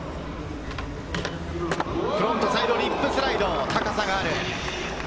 フロントサイドリップスライド、高さがある。